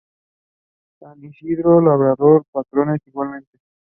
Fiestas de mayo con San Roque y San Isidro Labrador, patrones igualmente.